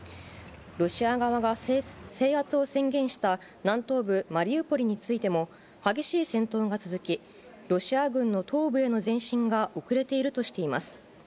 ロシア側は制圧を宣言した南東部マリウポリについても、激しい戦闘が続き、ロシア軍の東部への前進が遅れているとしています。